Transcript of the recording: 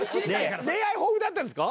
恋愛豊富だったんですか？